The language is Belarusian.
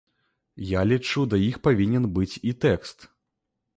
Я лічу да іх павінен быць і тэкст.